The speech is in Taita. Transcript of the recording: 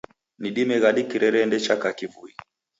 Ni dime ghadi kirerende chaka kivui